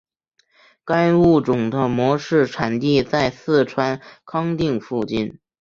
该物种的模式产地在四川康定附近。